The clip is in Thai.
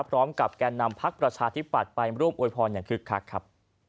แก่นำพักประชาธิปัตย์ไปร่วมอวยพรอย่างคึกคักครับ